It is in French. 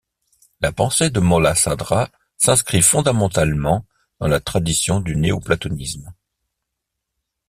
La pensée de Molla Sadra s'inscrit fondamentalement dans la tradition du néoplatonisme.